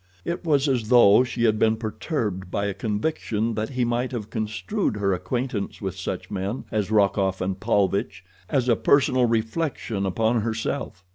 It was as though she had been perturbed by a conviction that he might have construed her acquaintance with such men as Rokoff and Paulvitch as a personal reflection upon herself.